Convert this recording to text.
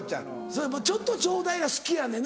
それも「ちょっとちょうだい」が好きやね